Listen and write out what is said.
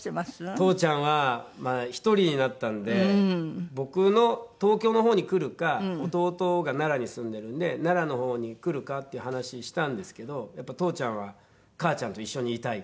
父ちゃんは１人になったので僕の東京の方に来るか弟が奈良に住んでるんで奈良の方に来るかっていう話したんですけどやっぱり父ちゃんは母ちゃんと一緒にいたい。